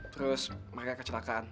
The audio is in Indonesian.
terus mereka kecelakaan